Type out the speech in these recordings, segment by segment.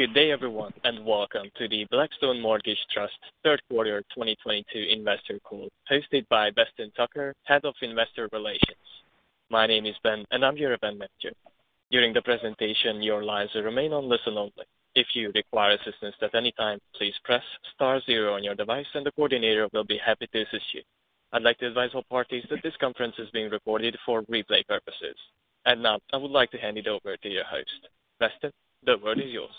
Good day everyone, and welcome to the Blackstone Mortgage Trust third quarter 2022 investor call hosted by Weston Tucker, Head of Investor Relations. My name is Ben, and I'm your event manager. During the presentation, your lines will remain on listen only. If you require assistance at any time, please press star zero on your device and the coordinator will be happy to assist you. I'd like to advise all parties that this conference is being recorded for replay purposes. Now, I would like to hand it over to your host. Weston, the word is yours.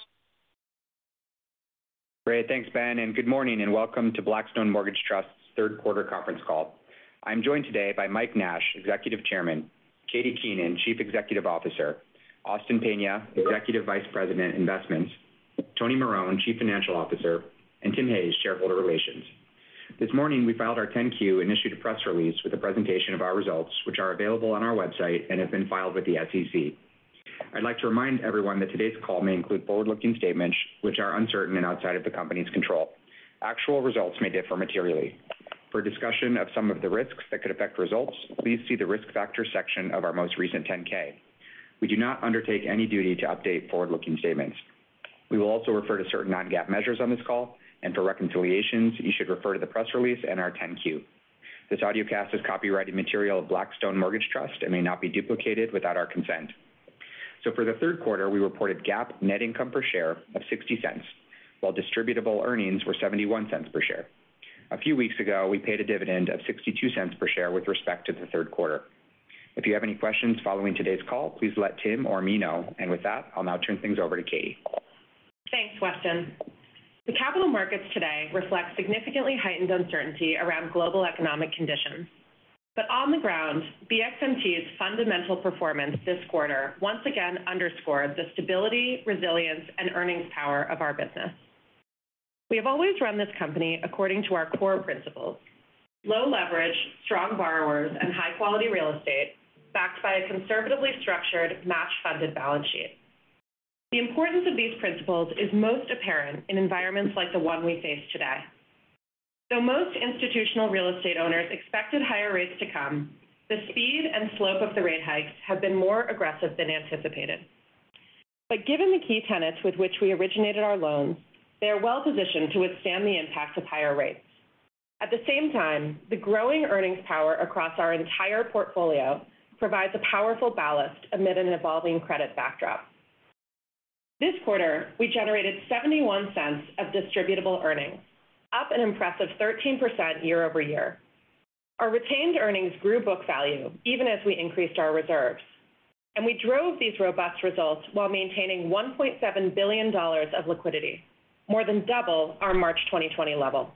Great. Thanks, Ben, and good morning and welcome to Blackstone Mortgage Trust's third quarter conference call. I'm joined today by Mike Nash, Executive Chairman, Katie Keenan, Chief Executive Officer, Austin Peña, Executive Vice President, Investments, Tony Marone, Chief Financial Officer, and Tim Hayes, Shareholder Relations. This morning we filed our 10-Q and issued a press release with a presentation of our results, which are available on our website and have been filed with the SEC. I'd like to remind everyone that today's call may include forward-looking statements which are uncertain and outside of the company's control. Actual results may differ materially. For a discussion of some of the risks that could affect results, please see the risk factor section of our most recent 10-K. We do not undertake any duty to update forward-looking statements. We will also refer to certain non-GAAP measures on this call, and for reconciliations, you should refer to the press release and our 10-Q. This audiocast is copyrighted material of Blackstone Mortgage Trust and may not be duplicated without our consent. For the third quarter, we reported GAAP net income per share of $0.60, while distributable earnings were $0.71 per share. A few weeks ago, we paid a dividend of $0.62 per share with respect to the third quarter. If you have any questions following today's call, please let Tim or me know. With that, I'll now turn things over to Katie. Thanks, Weston. The capital markets today reflect significantly heightened uncertainty around global economic conditions. On the ground, BXMT's fundamental performance this quarter once again underscored the stability, resilience, and earnings power of our business. We have always run this company according to our core principles. Low leverage, strong borrowers, and high quality real estate backed by a conservatively structured match funded balance sheet. The importance of these principles is most apparent in environments like the one we face today. Most institutional real estate owners expected higher rates to come. The speed and slope of the rate hikes have been more aggressive than anticipated. Given the key tenets with which we originated our loans, they are well positioned to withstand the impacts of higher rates. At the same time, the growing earnings power across our entire portfolio provides a powerful ballast amid an evolving credit backdrop. This quarter, we generated $0.71 of distributable earnings, up an impressive 13% year-over-year. Our retained earnings grew book value even as we increased our reserves. We drove these robust results while maintaining $1.7 billion of liquidity, more than double our March 2020 level.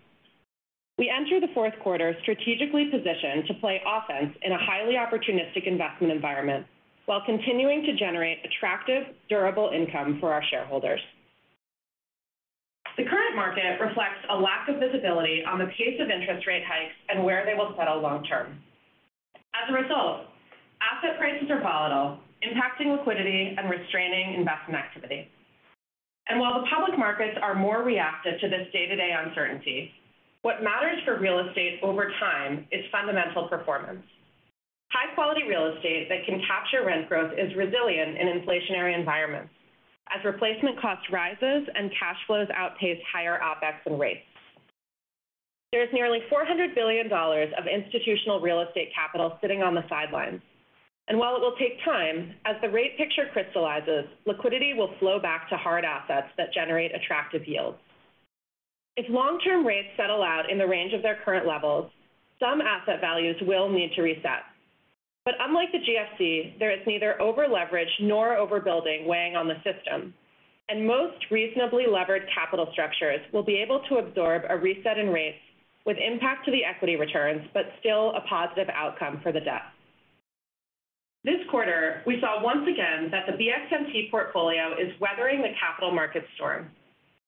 We enter the fourth quarter strategically positioned to play offense in a highly opportunistic investment environment while continuing to generate attractive, durable income for our shareholders. The current market reflects a lack of visibility on the pace of interest rate hikes and where they will settle long term. As a result, asset prices are volatile, impacting liquidity and restraining investment activity. While the public markets are more reactive to this day-to-day uncertainty, what matters for real estate over time is fundamental performance. High-quality real estate that can capture rent growth is resilient in inflationary environments as replacement cost rises and cash flows outpace higher OpEx and rates. There's nearly $400 billion of institutional real estate capital sitting on the sidelines. While it will take time, as the rate picture crystallizes, liquidity will flow back to hard assets that generate attractive yields. If long-term rates settle out in the range of their current levels, some asset values will need to reset. Unlike the GFC, there is neither over-leverage nor over-building weighing on the system, and most reasonably levered capital structures will be able to absorb a reset in rates with impact to the equity returns, but still a positive outcome for the debt. This quarter, we saw once again that the BXMT portfolio is weathering the capital market storm,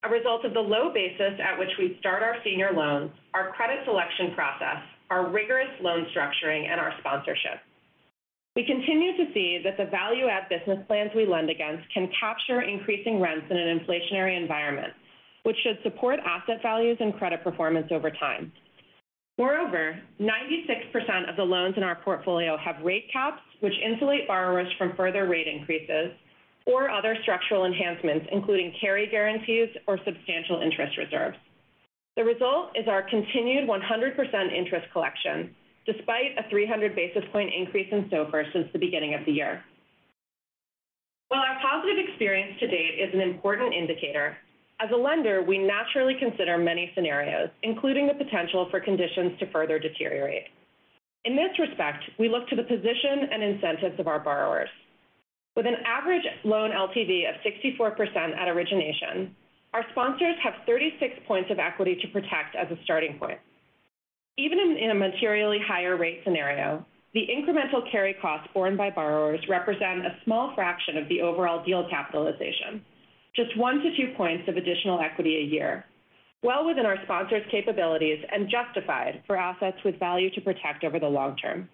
a result of the low basis at which we start our senior loans, our credit selection process, our rigorous loan structuring, and our sponsorship. We continue to see that the value add business plans we lend against can capture increasing rents in an inflationary environment, which should support asset values and credit performance over time. Moreover, 96% of the loans in our portfolio have rate caps, which insulate borrowers from further rate increases or other structural enhancements, including carry guarantees or substantial interest reserves. The result is our continued 100% interest collection despite a 300 basis point increase in SOFR since the beginning of the year. While our positive experience to date is an important indicator, as a lender, we naturally consider many scenarios, including the potential for conditions to further deteriorate. In this respect, we look to the position and incentives of our borrowers. With an average loan LTV of 64% at origination, our sponsors have 36 points of equity to protect as a starting point. Even in a materially higher rate scenario, the incremental carry costs borne by borrowers represent a small fraction of the overall deal capitalization, just 1-2 points of additional equity a year, well within our sponsors' capabilities and justified for assets with value to protect over the long term.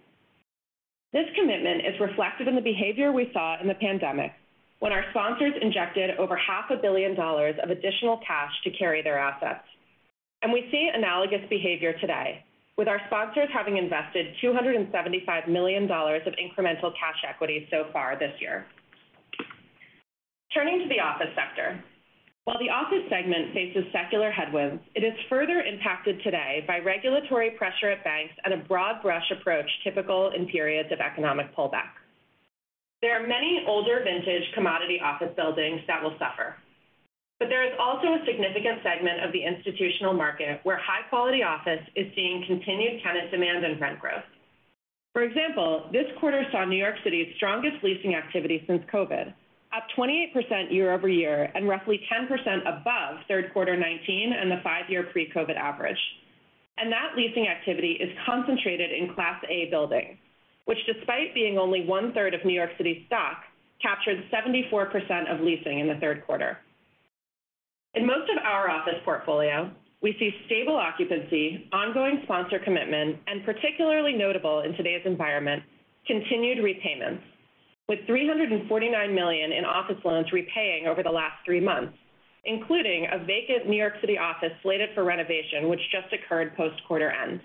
This commitment is reflected in the behavior we saw in the pandemic when our sponsors injected over $500 million dollars of additional cash to carry their assets. We see analogous behavior today, with our sponsors having invested $275 million of incremental cash equity so far this year. Turning to the office sector. While the office segment faces secular headwinds, it is further impacted today by regulatory pressure at banks and a broad brush approach typical in periods of economic pullback. There are many older vintage commodity office buildings that will suffer, but there is also a significant segment of the institutional market where high quality office is seeing continued tenant demand and rent growth. For example, this quarter saw New York City's strongest leasing activity since COVID, up 28% year-over-year and roughly 10% above third quarter 2019 and the five-year pre-COVID average. That leasing activity is concentrated in Class A buildings, which despite being only one-third of New York City's stock, captured 74% of leasing in the third quarter. In most of our office portfolio, we see stable occupancy, ongoing sponsor commitment, and particularly notable in today's environment, continued repayments with $349 million in office loans repaying over the last three months, including a vacant New York City office slated for renovation, which just occurred post quarter end.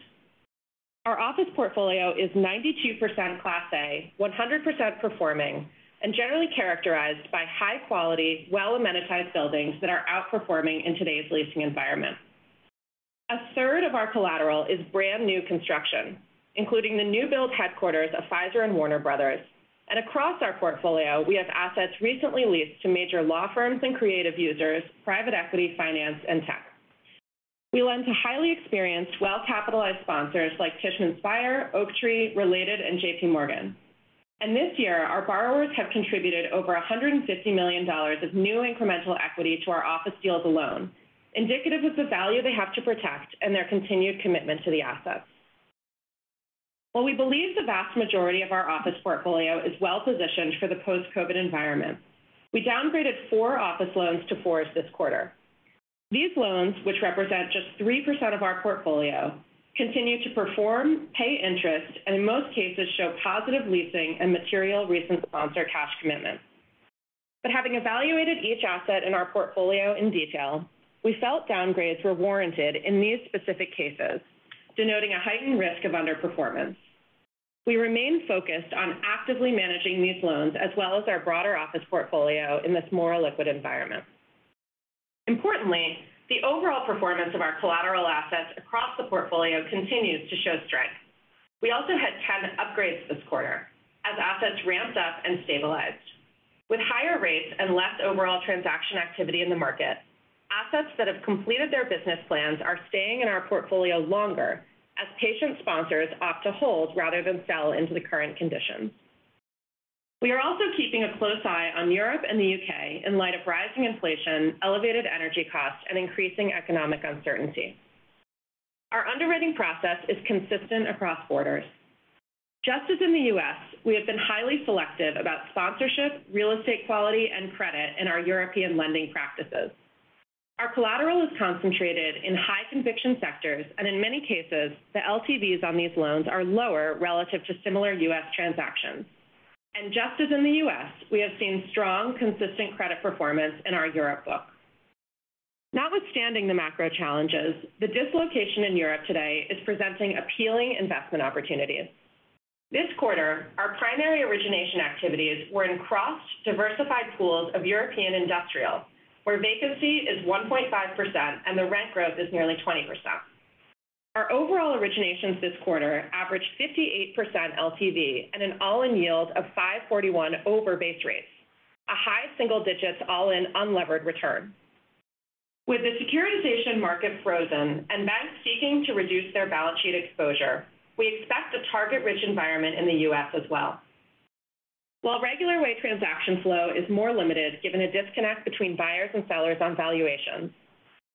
Our office portfolio is 92% Class A, 100% performing and generally characterized by high quality, well amenitized buildings that are outperforming in today's leasing environment. 1/3 of our collateral is brand new construction, including the new build headquarters of Pfizer and Warner Bros. Across our portfolio, we have assets recently leased to major law firms and creative users, private equity, finance and tech. We lend to highly experienced, well-capitalized sponsors like Tishman Speyer, Oaktree, Related, and J.P. Morgan. This year, our borrowers have contributed over $150 million of new incremental equity to our office deals alone, indicative of the value they have to protect and their continued commitment to the assets. While we believe the vast majority of our office portfolio is well-positioned for the post-COVID environment, we downgraded four office loans to 4s this quarter. These loans, which represent just 3% of our portfolio, continue to perform, pay interest, and in most cases show positive leasing and material recent sponsor cash commitments. Having evaluated each asset in our portfolio in detail, we felt downgrades were warranted in these specific cases, denoting a heightened risk of underperformance. We remain focused on actively managing these loans as well as our broader office portfolio in this more illiquid environment. Importantly, the overall performance of our collateral assets across the portfolio continues to show strength. We also had 10 upgrades this quarter as assets ramped up and stabilized. With higher rates and less overall transaction activity in the market, assets that have completed their business plans are staying in our portfolio longer as patient sponsors opt to hold rather than sell into the current conditions. We are also keeping a close eye on Europe and the U.K. in light of rising inflation, elevated energy costs, and increasing economic uncertainty. Our underwriting process is consistent across borders. Just as in the U.S., we have been highly selective about sponsorship, real estate quality and credit in our European lending practices. Our collateral is concentrated in high conviction sectors, and in many cases, the LTVs on these loans are lower relative to similar U.S. transactions. Just as in the U.S., we have seen strong, consistent credit performance in our Europe book. Notwithstanding the macro challenges, the dislocation in Europe today is presenting appealing investment opportunities. This quarter, our primary origination activities were in cross-diversified pools of European industrial, where vacancy is 1.5% and the rent growth is nearly 20%. Our overall originations this quarter averaged 58% LTV and an all-in yield of 541 over base rates, a high single digits all in unlevered return. With the securitization market frozen and banks seeking to reduce their balance sheet exposure, we expect a target rich environment in the U.S. as well. While regular way transaction flow is more limited, given a disconnect between buyers and sellers on valuations,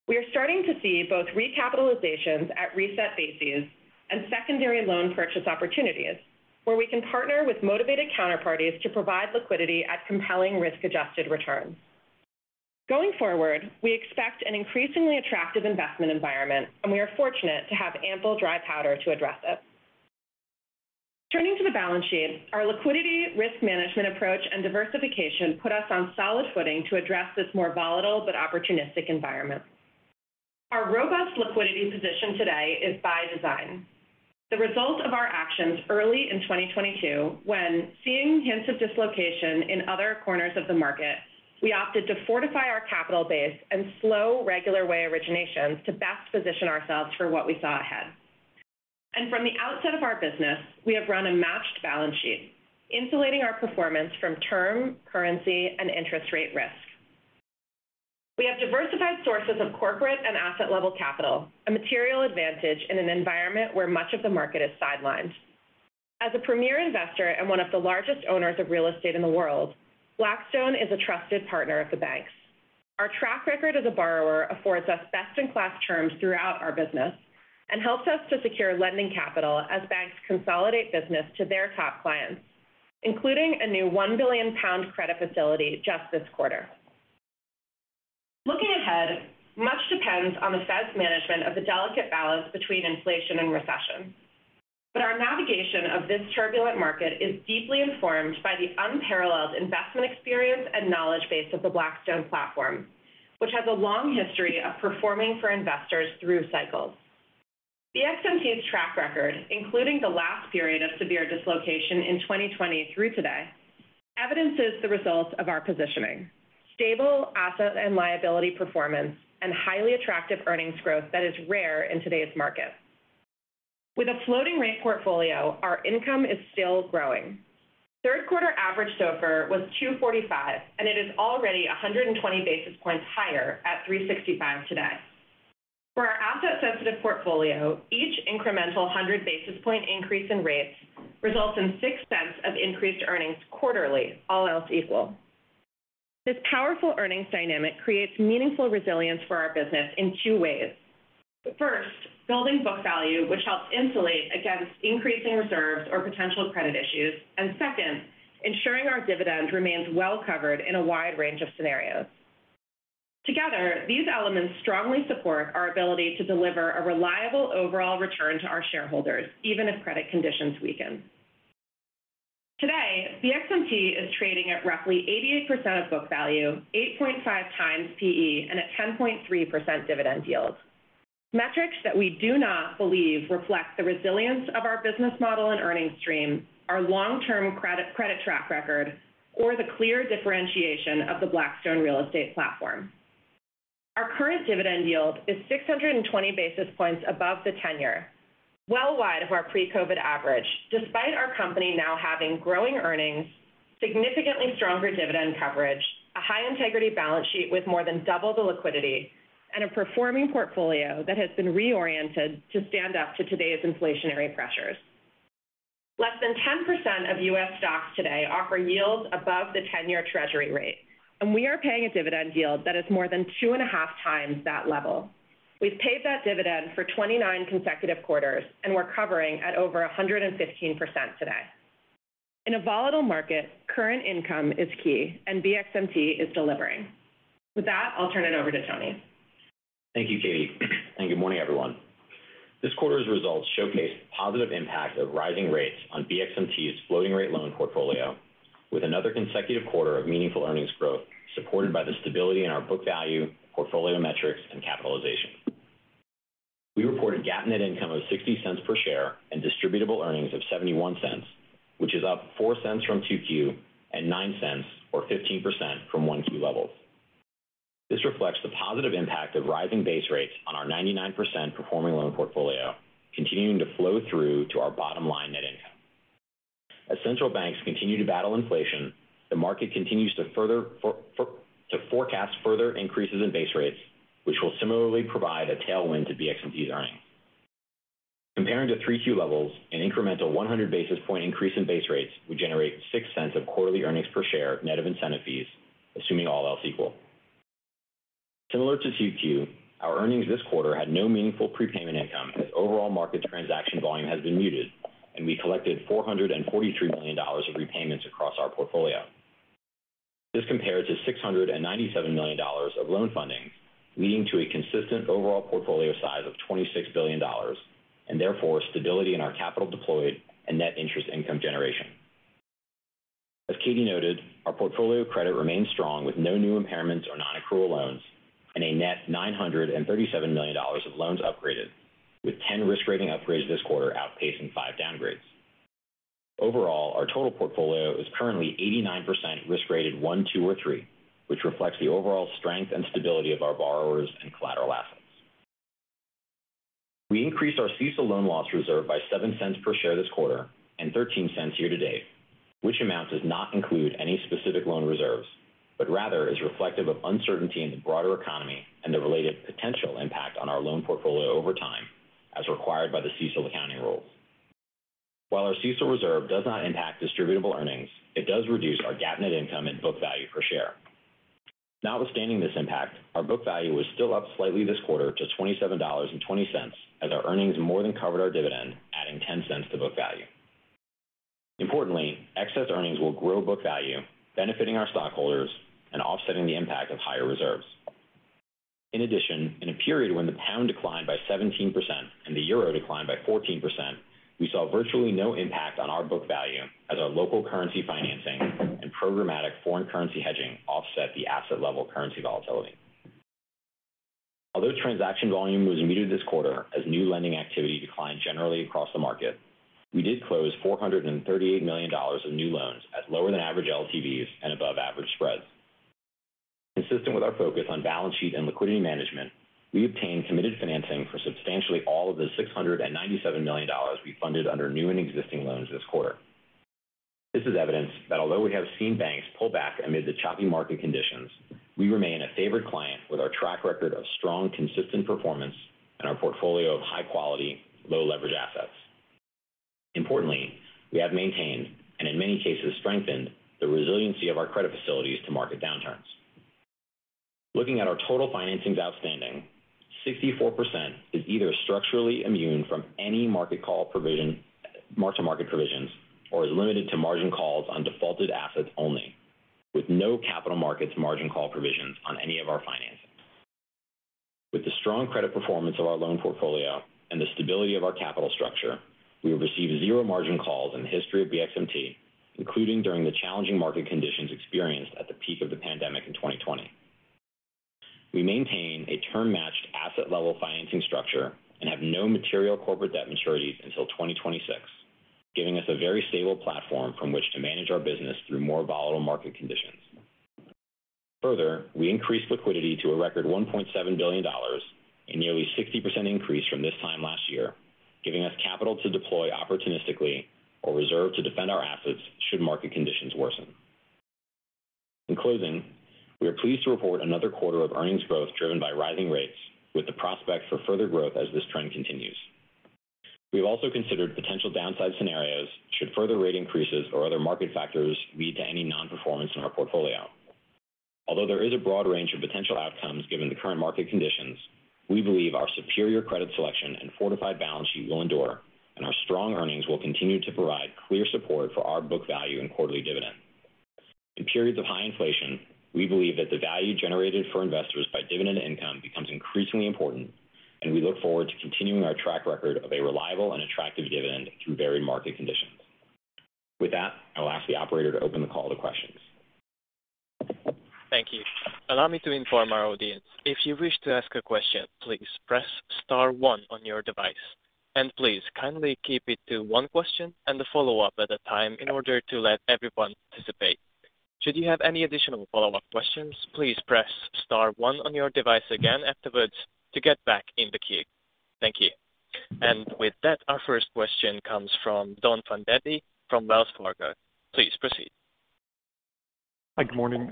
we are starting to see both recapitalizations at reset bases and secondary loan purchase opportunities where we can partner with motivated counterparties to provide liquidity at compelling risk-adjusted returns. Going forward, we expect an increasingly attractive investment environment, and we are fortunate to have ample dry powder to address it. Turning to the balance sheet. Our liquidity risk management approach and diversification put us on solid footing to address this more volatile but opportunistic environment. Our robust liquidity position today is by design. The result of our actions early in 2022, when seeing hints of dislocation in other corners of the market, we opted to fortify our capital base and slow regular way originations to best position ourselves for what we saw ahead. From the outset of our business, we have run a matched balance sheet, insulating our performance from term, currency and interest rate risk. We have diversified sources of corporate and asset level capital, a material advantage in an environment where much of the market is sidelined. As a premier investor and one of the largest owners of real estate in the world, Blackstone is a trusted partner of the banks. Our track record as a borrower affords us best in class terms throughout our business and helps us to secure lending capital as banks consolidate business to their top clients, including a new GBP 1 billion credit facility just this quarter. Looking ahead, much depends on the Fed's management of the delicate balance between inflation and recession. Our navigation of this turbulent market is deeply informed by the unparalleled investment experience and knowledge base of the Blackstone platform, which has a long history of performing for investors through cycles. BXMT's track record, including the last period of severe dislocation in 2020 through today, evidences the results of our positioning, stable asset and liability performance, and highly attractive earnings growth that is rare in today's market. With a floating rate portfolio, our income is still growing. Third quarter average SOFR was 2.45, and it is already 120 basis points higher at 3.65 today. For our asset-sensitive portfolio, each incremental 100 basis point increase in rates results in $0.06 of increased earnings quarterly, all else equal. This powerful earnings dynamic creates meaningful resilience for our business in two ways. First, building book value, which helps insulate against increasing reserves or potential credit issues, and second, ensuring our dividend remains well covered in a wide range of scenarios. Together, these elements strongly support our ability to deliver a reliable overall return to our shareholders, even if credit conditions weaken. Today, BXMT is trading at roughly 88% of book value, 8.5x P/E, and at 10.3% dividend yield. Metrics that we do not believe reflect the resilience of our business model and earnings stream are long-term credit track record, or the clear differentiation of the Blackstone Real Estate platform. Our current dividend yield is 620 basis points above the 10-year, well wide of our pre-COVID average, despite our company now having growing earnings, significantly stronger dividend coverage, a high integrity balance sheet with more than double the liquidity, and a performing portfolio that has been reoriented to stand up to today's inflationary pressures. Less than 10% of U.S. stocks today offer yields above the 10-year Treasury rate, and we are paying a dividend yield that is more than 2.5x that level. We've paid that dividend for 29 consecutive quarters, and we're covering at over 115% today. In a volatile market, current income is key, and BXMT is delivering. With that, I'll turn it over to Tony. Thank you, Katie, and good morning, everyone. This quarter's results showcase the positive impact of rising rates on BXMT's floating rate loan portfolio with another consecutive quarter of meaningful earnings growth supported by the stability in our book value, portfolio metrics, and capitalization. We reported GAAP net income of $0.60 per share and distributable earnings of $0.71, which is up $0.04 from 2Q and $0.09 or 15% from 1Q levels. This reflects the positive impact of rising base rates on our 99% performing loan portfolio continuing to flow through to our bottom line net income. As central banks continue to battle inflation, the market continues to forecast further increases in base rates, which will similarly provide a tailwind to BXMT's earnings. Comparing to 3Q levels, an incremental 100 basis point increase in base rates would generate $0.06 of quarterly earnings per share net of incentive fees, assuming all else equal. Similar to 2Q, our earnings this quarter had no meaningful prepayment income as overall market transaction volume has been muted, and we collected $443 million of repayments across our portfolio. This compares to $697 million of loan funding, leading to a consistent overall portfolio size of $26 billion, and therefore stability in our capital deployed and net interest income generation. As Katie noted, our portfolio credit remains strong with no new impairments or non-accrual loans and a net $937 million of loans upgraded, with 10 risk rating upgrades this quarter outpacing five downgrades. Overall, our total portfolio is currently 89% risk rated 1, 2, or 3, which reflects the overall strength and stability of our borrowers and collateral assets. We increased our CECL loan loss reserve by $0.07 per share this quarter and $0.13 year to date, which amount does not include any specific loan reserves, but rather is reflective of uncertainty in the broader economy and the related potential impact on our loan portfolio over time as required by the CECL accounting rules. While our CECL reserve does not impact distributable earnings, it does reduce our GAAP net income and book value per share. Notwithstanding this impact, our book value was still up slightly this quarter to $27.20 as our earnings more than covered our dividend, adding $0.10 to book value. Importantly, excess earnings will grow book value benefiting our stockholders and offsetting the impact of higher reserves. In addition, in a period when the pound declined by 17% and the euro declined by 14%, we saw virtually no impact on our book value as our local currency financing and programmatic foreign currency hedging offset the asset level currency volatility. Although transaction volume was muted this quarter as new lending activity declined generally across the market, we did close $438 million of new loans at lower than average LTVs and above average spreads. Consistent with our focus on balance sheet and liquidity management, we obtained committed financing for substantially all of the $697 million we funded under new and existing loans this quarter. This is evidence that although we have seen banks pull back amid the choppy market conditions, we remain a favored client with our track record of strong, consistent performance and our portfolio of high quality, low leverage assets. Importantly, we have maintained, and in many cases strengthened, the resiliency of our credit facilities to market downturns. Looking at our total financings outstanding, 64% is either structurally immune from any market call provision, mark-to-market provisions, or is limited to margin calls on defaulted assets only, with no capital markets margin call provisions on any of our financings. With the strong credit performance of our loan portfolio and the stability of our capital structure, we have received zero margin calls in the history of BXMT, including during the challenging market conditions experienced at the peak of the pandemic in 2020. We maintain a term-matched asset level financing structure and have no material corporate debt maturities until 2026, giving us a very stable platform from which to manage our business through more volatile market conditions. Further, we increased liquidity to a record $1.7 billion, a nearly 60% increase from this time last year, giving us capital to deploy opportunistically or reserve to defend our assets should market conditions worsen. In closing, we are pleased to report another quarter of earnings growth driven by rising rates with the prospect for further growth as this trend continues. We have also considered potential downside scenarios should further rate increases or other market factors lead to any non-performance in our portfolio. Although there is a broad range of potential outcomes given the current market conditions, we believe our superior credit selection and fortified balance sheet will endure, and our strong earnings will continue to provide clear support for our book value and quarterly dividend. In periods of high inflation, we believe that the value generated for investors by dividend income becomes increasingly important, and we look forward to continuing our track record of a reliable and attractive dividend through varied market conditions. With that, I'll ask the operator to open the call to questions. Thank you. Allow me to inform our audience. If you wish to ask a question, please press star one on your device. Please kindly keep it to one question and a follow-up at a time in order to let everyone participate. Should you have any additional follow-up questions, please press star one on your device again afterwards to get back in the queue. Thank you. With that, our first question comes from Don Fandetti from Wells Fargo. Please proceed. Hi. Good morning.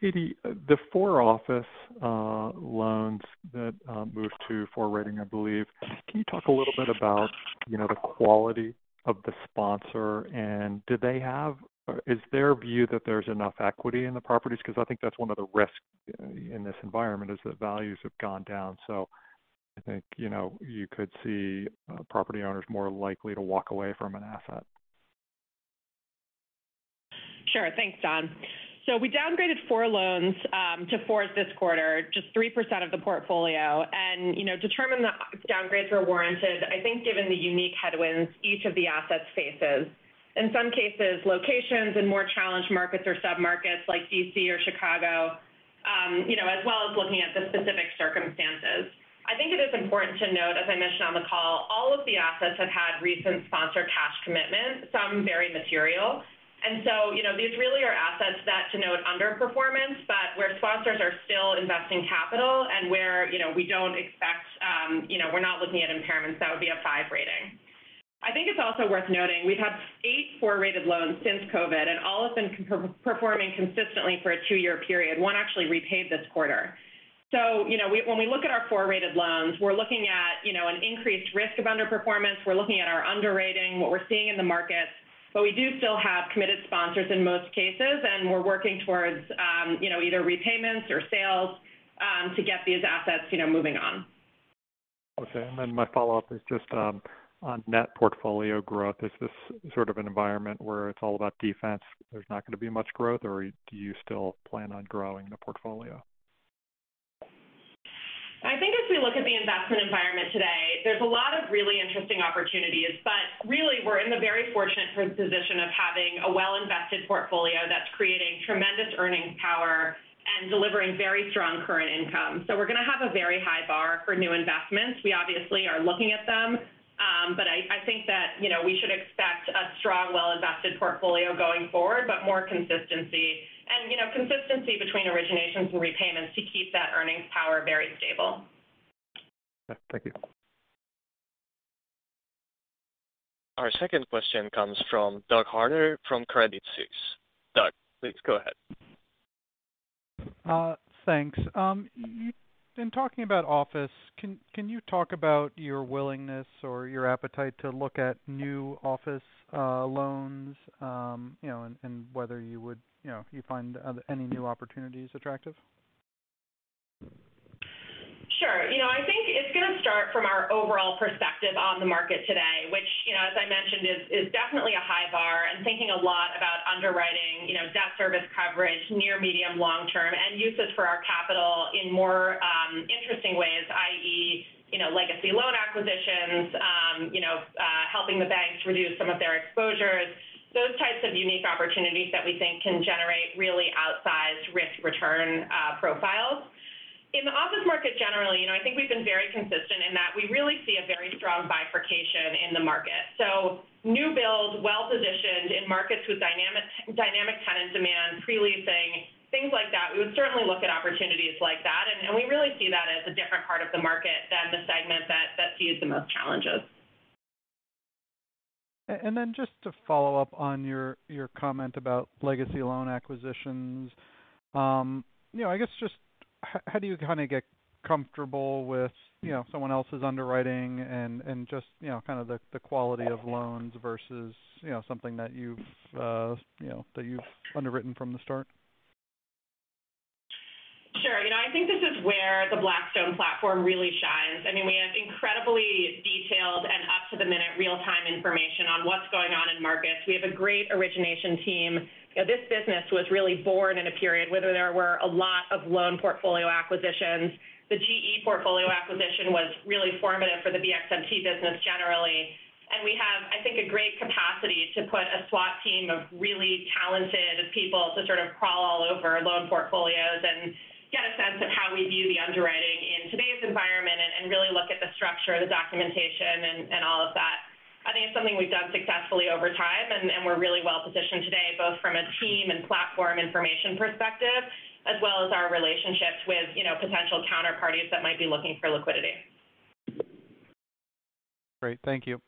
Katie, the four office loans that moved to poor rating, I believe, can you talk a little bit about, you know, the quality of the sponsor and is their view that there's enough equity in the properties? 'Cause I think that's one of the risks in this environment, is that values have gone down. I think, you know, you could see property owners more likely to walk away from an asset. Sure. Thanks, Don. We downgraded four loans to 4s this quarter, just 3% of the portfolio. We determined the downgrades were warranted, I think given the unique headwinds each of the assets faces. In some cases, locations in more challenged markets or submarkets like D.C. or Chicago, you know, as well as looking at the specific circumstances. I think it is important to note, as I mentioned on the call, all of the assets have had recent sponsor cash commitments, some very material. These really are assets that denote underperformance, but where sponsors are still investing capital and where, you know, we don't expect, you know, we're not looking at impairments, that would be a 5 rating. I think it's also worth noting we've had eight 4-rated loans since COVID, and all have been non-performing consistently for a two-year period. One actually repaid this quarter. You know, we when we look at our 4-rated loans, we're looking at, you know, an increased risk of underperformance. We're looking at our underwriting, what we're seeing in the markets. But we do still have committed sponsors in most cases, and we're working towards, you know, either repayments or sales, to get these assets, you know, moving on. Okay. My follow-up is just on net portfolio growth. Is this sort of an environment where it's all about defense, there's not gonna be much growth, or do you still plan on growing the portfolio? I think as we look at the investment environment today, there's a lot of really interesting opportunities, but really, we're in the very fortunate position of having a well-invested portfolio that's creating tremendous earnings power and delivering very strong current income. We're gonna have a very high bar for new investments. We obviously are looking at them. I think that, you know, we should expect a strong, well-invested portfolio going forward, but more consistency between originations and repayments to keep that earnings power very stable. Yeah. Thank you. Our second question comes from Doug Harter from Credit Suisse. Doug, please go ahead. Thanks. In talking about office, can you talk about your willingness or your appetite to look at new office loans, you know, and whether you would, you know, you find any new opportunities attractive? Sure. You know, I think it's gonna start from our overall perspective on the market today, which, you know, as I mentioned, is definitely a high bar and thinking a lot about underwriting, you know, debt service coverage near medium long-term and usage for our capital in more interesting ways, i.e., you know, legacy loan acquisitions, helping the banks reduce some of their exposures. Those types of unique opportunities that we think can generate really outsized risk return profiles. In the office market generally, you know, I think we've been very consistent in that we really see a very strong bifurcation in the market. New build, well-positioned in markets with dynamic tenant demand, pre-leasing, things like that. We would certainly look at opportunities like that, and we really see that as a different part of the market than the segment that sees the most challenges. Just to follow up on your comment about legacy loan acquisitions, you know, I guess just how do you kinda get comfortable with, you know, someone else's underwriting and just, you know, kind of the quality of loans versus, you know, something that you've, you know, that you've underwritten from the start? Sure. You know, I think this is where the Blackstone platform really shines. I mean, we have information on what's going on in markets. We have a great origination team. You know, this business was really born in a period where there were a lot of loan portfolio acquisitions. The GE portfolio acquisition was really formative for the BXMT business generally. We have, I think, a great capacity to put a SWAT team of really talented people to sort of crawl all over loan portfolios and get a sense of how we view the underwriting in today's environment and really look at the structure, the documentation and all of that. I think it's something we've done successfully over time, and we're really well-positioned today, both from a team and platform information perspective, as well as our relationships with, you know, potential counterparties that might be looking for liquidity. Great. Thank you.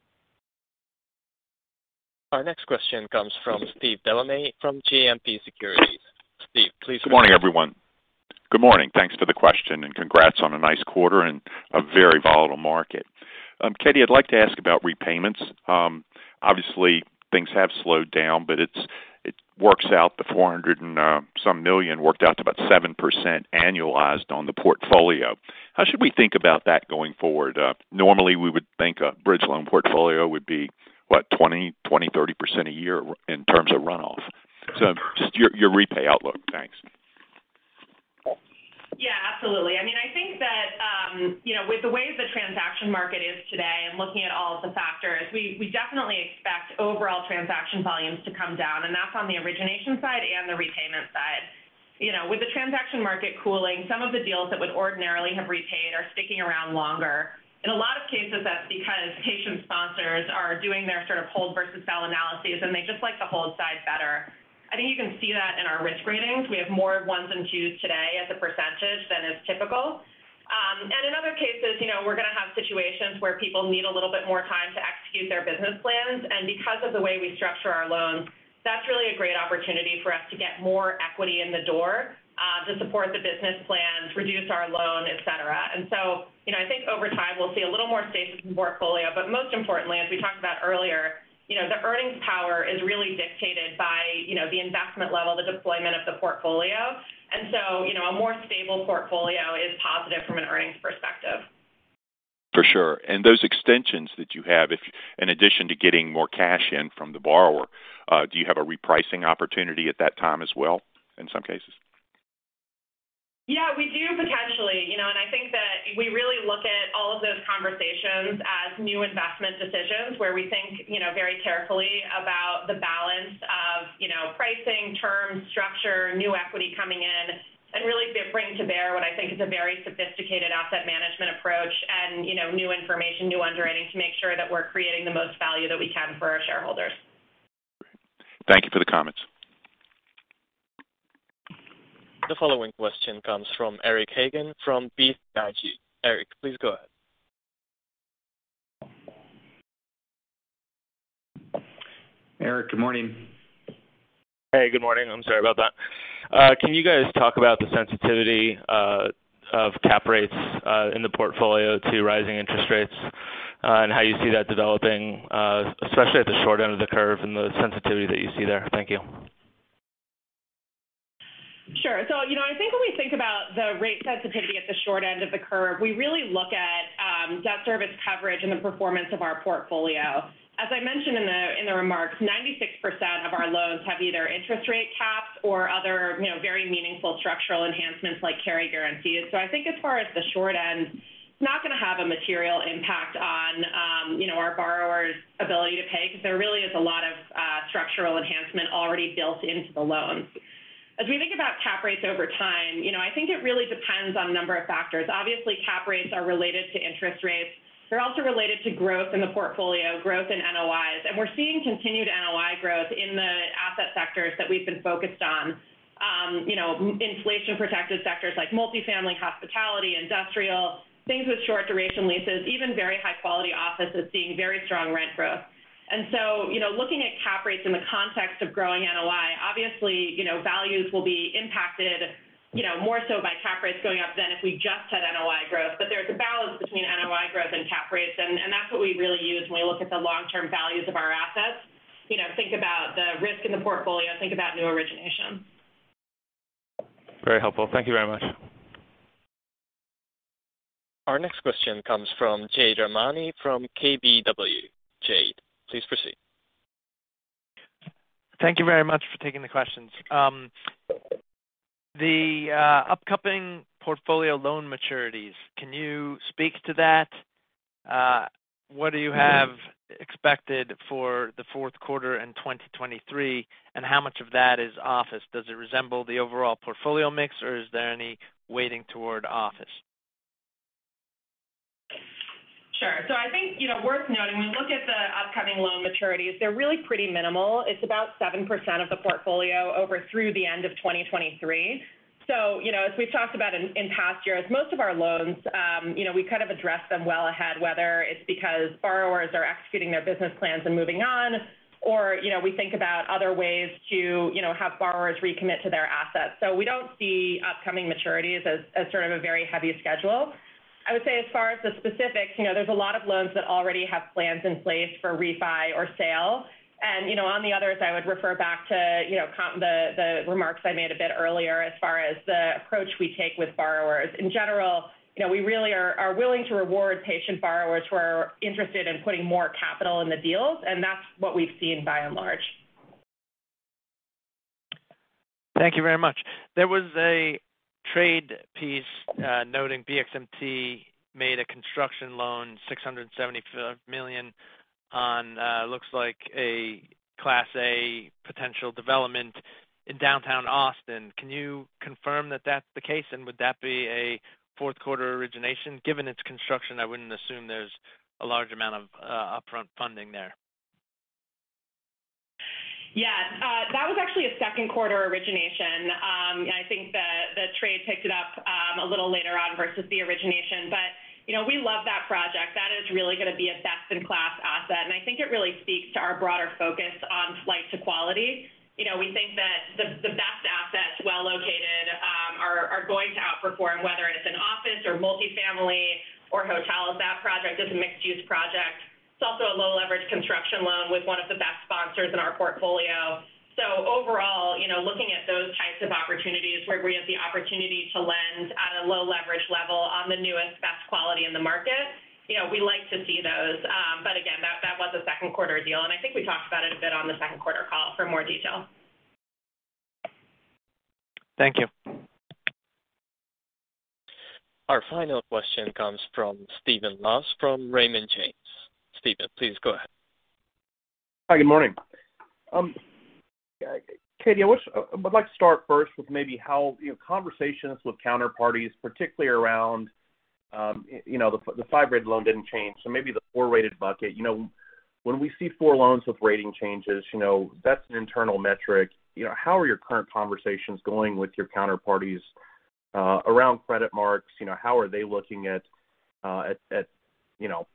Our next question comes from Steve Delaney from JMP Securities. Steve, please go ahead. Good morning, everyone. Good morning. Thanks for the question, and congrats on a nice quarter and a very volatile market. Katie, I'd like to ask about repayments. Obviously, things have slowed down, but it works out, the $400 and some million worked out to about 7% annualized on the portfolio. How should we think about that going forward? Normally, we would think a bridge loan portfolio would be, what? 20%, 30% a year in terms of runoff. So just your repay outlook. Thanks. Yeah, absolutely. I mean, I think that, you know, with the way the transaction market is today and looking at all of the factors, we definitely expect overall transaction volumes to come down, and that's on the origination side and the repayment side. You know, with the transaction market cooling, some of the deals that would ordinarily have repaid are sticking around longer. In a lot of cases, that's because patient sponsors are doing their sort of hold versus sell analyses, and they just like the hold side better. I think you can see that in our risk ratings. We have more ones than twos today as a percentage than is typical. In other cases, you know, we're gonna have situations where people need a little bit more time to execute their business plans, and because of the way we structure our loans, that's really a great opportunity for us to get more equity in the door, to support the business plans, reduce our loan, et cetera. You know, I think over time, we'll see a little more safe portfolio. Most importantly, as we talked about earlier, you know, the earnings power is really dictated by, you know, the investment level, the deployment of the portfolio. You know, a more stable portfolio is positive from an earnings perspective. For sure. Those extensions that you have, if in addition to getting more cash in from the borrower, do you have a repricing opportunity at that time as well in some cases? Yeah, we do potentially, you know. I think that we really look at all of those conversations as new investment decisions where we think, you know, very carefully about the balance of, you know, pricing, terms, structure, new equity coming in, and really bring to bear what I think is a very sophisticated asset management approach and, you know, new information, new underwriting to make sure that we're creating the most value that we can for our shareholders. Thank you for the comments. The following question comes from Eric Hagen from BTIG. Eric, please go ahead. Eric, good morning. Hey, good morning. I'm sorry about that. Can you guys talk about the sensitivity of cap rates in the portfolio to rising interest rates and how you see that developing, especially at the short end of the curve and the sensitivity that you see there? Thank you. You know, I think when we think about the rate sensitivity at the short end of the curve, we really look at debt service coverage and the performance of our portfolio. As I mentioned in the remarks, 96% of our loans have either interest rate caps or other, you know, very meaningful structural enhancements like carry guarantees. I think as far as the short end, it's not gonna have a material impact on, you know, our borrowers' ability to pay 'cause there really is a lot of structural enhancement already built into the loans. As we think about cap rates over time, you know, I think it really depends on a number of factors. Obviously, cap rates are related to interest rates. They're also related to growth in the portfolio, growth in NOIs. We're seeing continued NOI growth in the asset sectors that we've been focused on. You know, inflation-protected sectors like multifamily hospitality, industrial, things with short duration leases, even very high-quality offices seeing very strong rent growth. You know, looking at cap rates in the context of growing NOI, obviously, you know, values will be impacted, you know, more so by cap rates going up than if we just had NOI growth. There's a balance between NOI growth and cap rates, and that's what we really use when we look at the long-term values of our assets. You know, think about the risk in the portfolio, think about new origination. Very helpful. Thank you very much. Our next question comes from Jade Rahmani from KBW. Jade, please proceed. Thank you very much for taking the questions. Upcoming portfolio loan maturities, can you speak to that? What do you have expected for the fourth quarter in 2023, and how much of that is office? Does it resemble the overall portfolio mix, or is there any weighting toward office? Sure. I think, you know, worth noting, when we look at the upcoming loan maturities, they're really pretty minimal. It's about 7% of the portfolio through the end of 2023. You know, as we've talked about in past years, most of our loans, you know, we kind of address them well ahead, whether it's because borrowers are executing their business plans and moving on or, you know, we think about other ways to, you know, have borrowers recommit to their assets. We don't see upcoming maturities as sort of a very heavy schedule. I would say as far as the specifics, you know, there's a lot of loans that already have plans in place for refi or sale. You know, on the other side, I would refer back to the remarks I made a bit earlier as far as the approach we take with borrowers. In general, you know, we really are willing to reward patient borrowers who are interested in putting more capital in the deals, and that's what we've seen by and large. Thank you very much. There was a trade piece noting BXMT made a construction loan, $670 million on, looks like a Class A potential development in Downtown, Austin. Can you confirm that that's the case, and would that be a fourth quarter origination? Given its construction, I wouldn't assume there's a large amount of upfront funding there. Yeah. That was actually a second quarter origination. I think the trade picked it up a little later on versus the origination. You know, we love that project. That is really gonna be a best-in-class asset, and I think it really speaks to our broader focus on flight to quality. You know, we think that the best assets, well-located, are going to outperform, whether it's an office or multifamily or hotel. That project is a mixed-use project. It's also a low leverage construction loan with one of the best sponsors in our portfolio. Overall, you know, looking at those types of opportunities where we have the opportunity to lend at a low leverage level on the newest best quality in the market, you know, we like to see those. Again, that was a second quarter deal, and I think we talked about it a bit on the second quarter call for more detail. Thank you. Our final question comes from Stephen Laws from Raymond James. Stephen, please go ahead. Hi, good morning. Katie, I would like to start first with maybe how, you know, conversations with counterparties, particularly around, you know, the 5-rated loan didn't change, so maybe the 4-rated bucket. You know, when we see four loans with rating changes, you know, that's an internal metric. You know, how are your current conversations going with your counterparties around credit marks? You know, how are they looking at, you know,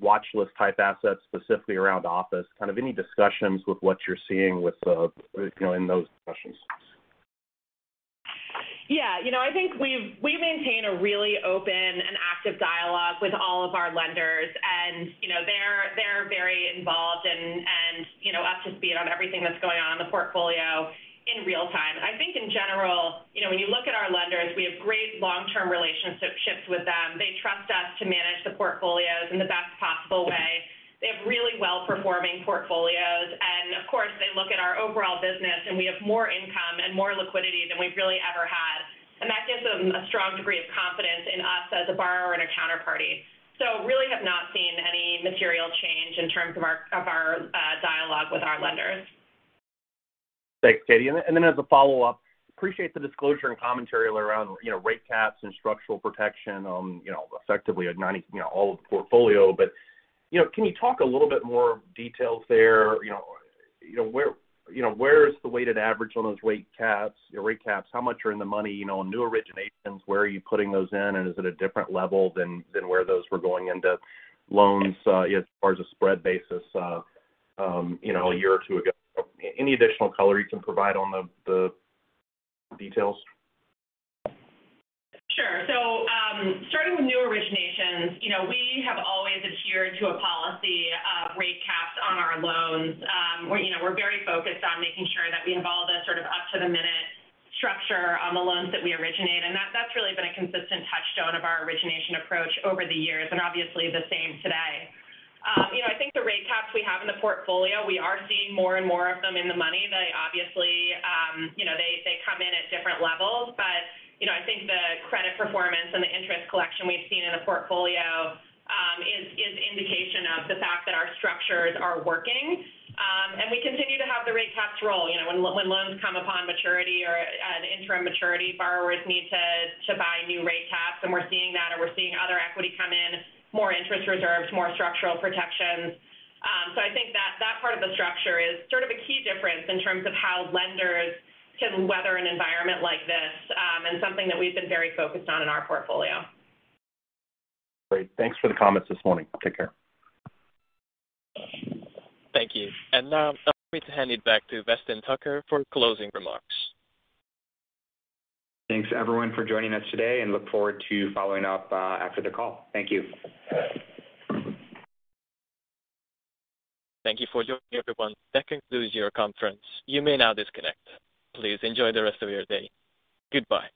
watchlist-type assets, specifically around office? Kind of any discussions with what you're seeing with the, you know, in those discussions. Yeah. You know, I think we maintain a really open and active dialogue with all of our lenders and, you know, they're very involved and, you know, up to speed on everything that's going on in the portfolio in real time. I think in general, you know, when you look at our lenders, we have great long-term relationships with them. They trust us to manage the portfolios in the best possible way. They have really well-performing portfolios. Of course, they look at our overall business, and we have more income and more liquidity than we've really ever had. That gives them a strong degree of confidence in us as a borrower and a counterparty. We really have not seen any material change in terms of our dialogue with our lenders. Thanks, Katie. As a follow-up, appreciate the disclosure and commentary around, you know, rate caps and structural protection on, you know, effectively, you know, all of the portfolio. You know, can you talk a little bit more details there? You know, where, you know, is the weighted average on those rate caps? How much are in the money, you know, on new originations, where are you putting those in, and is it a different level than where those were going into loans, you know, as far as a spread basis, you know, a year or two ago? Any additional color you can provide on the details. Sure. Starting with new originations, you know, we have always adhered to a policy of rate caps on our loans. You know, we're very focused on making sure that we have all the sort of up-to-the-minute structure on the loans that we originate, and that's really been a consistent touchstone of our origination approach over the years and obviously the same today. You know, I think the rate caps we have in the portfolio, we are seeing more and more of them in the money. They obviously, you know, they come in at different levels. You know, I think the credit performance and the interest collection we've seen in the portfolio is indication of the fact that our structures are working. We continue to have the rate caps roll. You know, when loans come upon maturity or an interim maturity, borrowers need to buy new rate caps and we're seeing that or we're seeing other equity come in, more interest reserves, more structural protections. I think that part of the structure is sort of a key difference in terms of how lenders can weather an environment like this, and something that we've been very focused on in our portfolio. Great. Thanks for the comments this morning. Take care. Thank you. Now allow me to hand it back to Weston Tucker for closing remarks. Thanks everyone for joining us today and look forward to following up, after the call. Thank you. Thank you for joining me, everyone. That concludes your conference. You may now disconnect. Please enjoy the rest of your day. Goodbye.